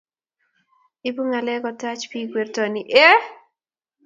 ibu ngaleek kotaj biik wertoni